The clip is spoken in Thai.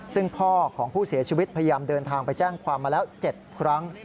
ซึ่งพ่อของผู้เสียชีวิตพยายามเดินทางไปแจ้งความมาแล้ว๗ครั้ง